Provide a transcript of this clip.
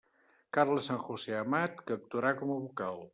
Carles San José Amat, que actuarà com a vocal.